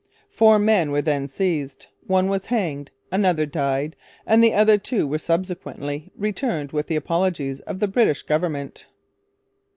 Four men were then seized. One was hanged; another died; and the other two were subsequently returned with the apologies of the British government.